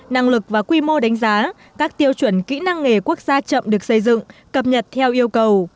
năng lực và quy mô đánh giá các tiêu chuẩn kỹ năng nghề quốc gia chậm được xây dựng cập nhật theo yêu cầu